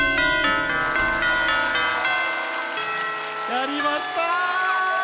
やりました！